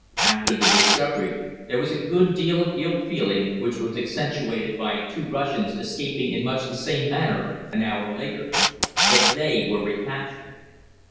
After the discovery there was a good deal of ill feeling, which was accentuated by two Russians escaping in much the same manner an hour later, but they were recaptured.